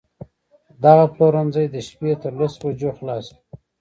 دغه پلورنځی د شپې تر لسو بجو خلاص وي